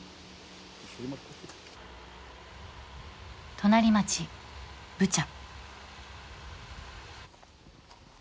隣町・ブチャ。